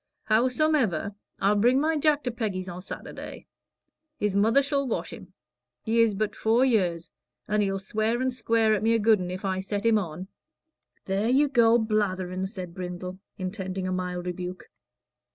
Howsomever, I'll bring my Jack to Peggy's o' Saturday. His mother shall wash him. He is but four year old, and he'll swear and square at me a good un, if I set him on." "There you go blatherin'," said Brindle, intending a mild rebuke.